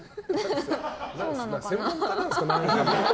専門家なんですか？